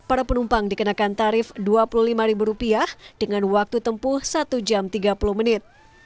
para penumpang dikenakan tarif rp dua puluh lima dengan waktu tempuh satu jam tiga puluh menit